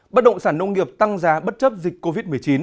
bất động sản nông nghiệp tăng giá bất chấp dịch covid một mươi chín